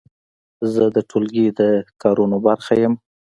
زه د ټولګي د کارونو برخه یم.